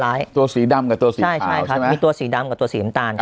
ตัวสีดำกับตัวสีใช่ใช่ครับมีตัวสีดำกับตัวสีน้ำตาล